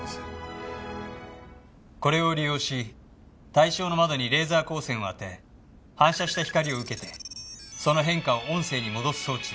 これを利用し対象の窓にレーザー光線を当て反射した光を受けてその変化を音声に戻す装置です。